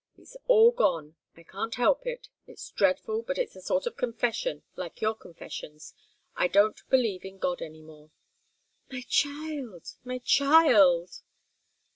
It's all gone. I can't help it. It's dreadful but it's a sort of confession, like your confessions. I don't believe in God any more." "My child, my child!"